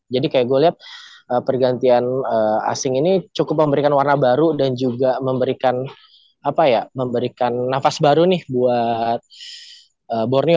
kayak gue lihat pergantian asing ini cukup memberikan warna baru dan juga memberikan apa ya memberikan nafas baru nih buat borneo